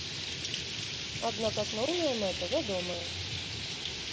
Аднак асноўная мэта вядомая!